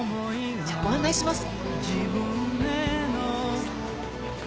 じゃあご案内します。